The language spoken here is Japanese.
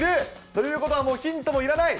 ということはもう、ヒントもいらない？